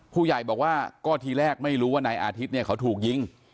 ผู้ใหญ่บอกว่าก็ทีแรกไม่รู้ว่านายอาทิตย์เนี่ยเขาถูกยิง